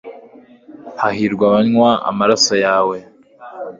hahirwa abanywa amaraso yawe